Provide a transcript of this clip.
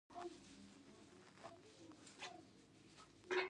پدې کې هیڅ ځانګړی شی نشته